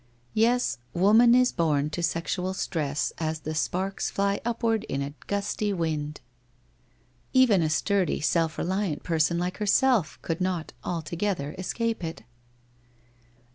... Yes, woman is born to sexual stress as the sparks fly upward in a gusty wind. Even a sturdy, self reliant person like herself could not altogether escape it.